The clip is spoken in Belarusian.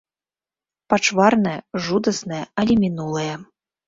Пачварнае, жудаснае, але мінулае.